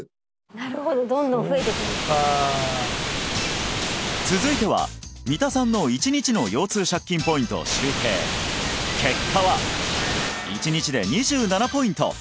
なるほどどんどん増えていくんだ続いては三田さんの１日の腰痛借金ポイントを集計結果は１日で２７ポイント